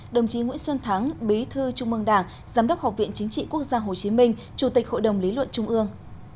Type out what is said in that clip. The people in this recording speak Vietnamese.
đồng chí nguyễn xuân thắng bí thư trung mương đảng giám đốc học viện chính trị quốc gia hồ chí minh chủ tịch hội đồng lý luận trung ương